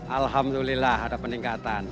alhamdulillah ada peningkatan